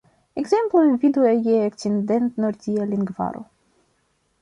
Ekzemplojn vidu je Okcident-nordia lingvaro.